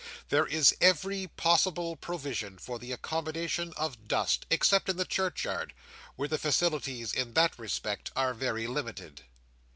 There is every possible provision for the accommodation of dust, except in the churchyard, where the facilities in that respect are very limited.